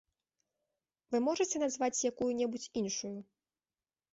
Вы можаце назваць якую-небудзь іншую?